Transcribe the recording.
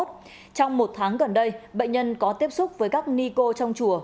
trong một tháng gần đây bệnh nhân có tiếp xúc với các ni cô trong chùa